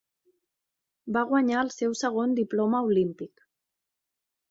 Va guanyar el seu segon Diploma Olímpic.